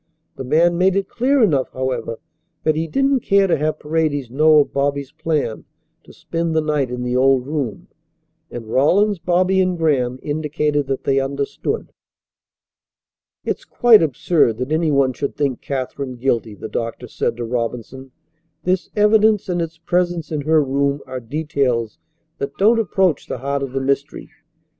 The man made it clear enough, however, that he didn't care to have Paredes know of Bobby's plan to spend the night in the old room, and Rawlins, Bobby, and Graham indicated that they understood. "It's quite absurd that any one should think Katherine guilty," the doctor said to Robinson. "This evidence and its presence in her room are details that don't approach the heart of the mystery.